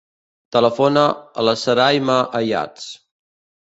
Telefona a la Sarayma Ayats.